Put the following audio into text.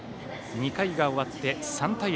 ２回が終わって３対０。